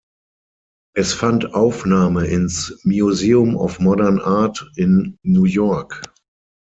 Es fand Aufnahme ins Museum of Modern Art in New York.